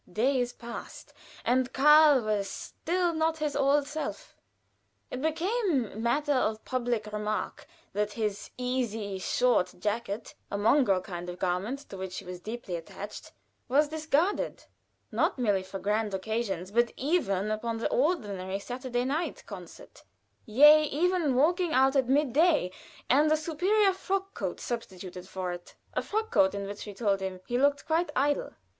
Days passed, and Karl was still not his old self. It became matter of public remark that his easy, short jacket, a mongrel kind of garment to which he was deeply attached, was discarded, not merely for grand occasions, but even upon the ordinary Saturday night concert, yea, even for walking out at midday, and a superior frock coat substituted for it a frock coat in which, we told him, he looked quite edel.